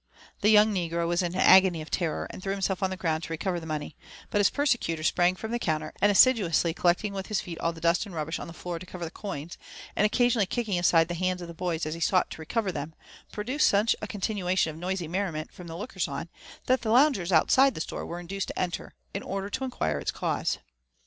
The young negro was in an agony of terror, and threw himself on the ground to recover the money ; but his persecutor sprang from the counter, and assiduously collecting with his feet all the dust and rubbish on the floor to cover the coins, and occasionally kicking aside the hands of the boy as he sought to recover them, produced such a continuation of noisy merriment from the lookers on, that the loungers outside the store were induced to enter, in order to inquire its cause.